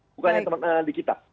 bukannya teman teman di kita